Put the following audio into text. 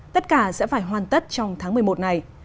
tất cả sẽ phải hoàn tất trong tháng một mươi một này